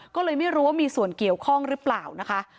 ก็เลยไม่รู้ว่ามีส่วนเกี่ยวข้องหรือเปล่านะคะ